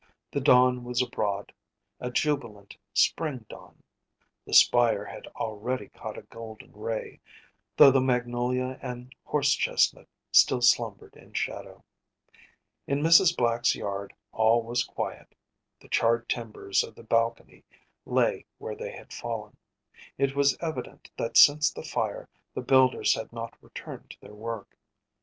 The dawn was abroad, a jubilant spring dawn; the spire had already caught a golden ray, though the magnolia and horse chestnut still slumbered in shadow. In Mrs. Black’s yard all was quiet. The charred timbers of the balcony lay where they had fallen. It was evident that since the fire the builders had not returned to their work.